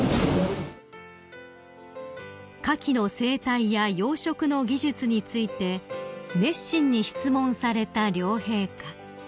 ［カキの生態や養殖の技術について熱心に質問された両陛下］